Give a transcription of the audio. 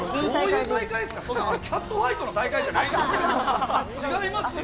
キャットファイトの大会じゃないですよ。